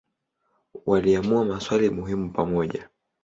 Waliamua maswali muhimu pamoja.